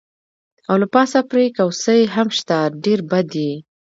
او له پاسه پرې کوسۍ هم شته، ډېر بد یې.